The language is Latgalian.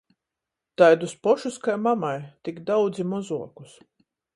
Taidus pošus kai mamai, tik daudzi mozuokus.